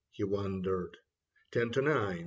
He wondered. Ten to nine.